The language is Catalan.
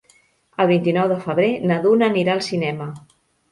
El vint-i-nou de febrer na Duna anirà al cinema.